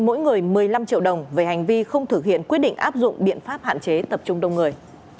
mỗi người một mươi năm triệu đồng về hành vi không thực hiện quyết định áp dụng biện pháp hạn chế tập trung đông người